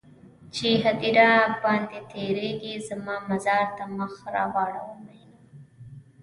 چې هديره باندې تيرېږې زما مزار ته مخ راواړوه مينه